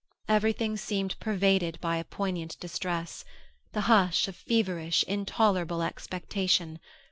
Everything seemed pervaded by a poignant distress; the hush of feverish, intolerable expectation.